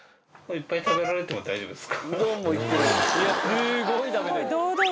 いっぱい食べられても大丈夫です。